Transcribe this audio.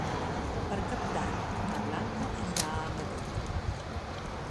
Per Cap d'Any na Blanca irà a Matet.